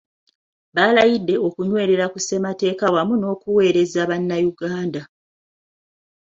Balayidde okunywerera ku ssemateeka wamu n’okuweereza bannayuganda.